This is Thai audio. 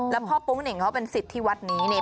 แล้วพ่อโป๊งเหน่งเขาเป็นสิทธิ์ที่วัดนี้เนี่ย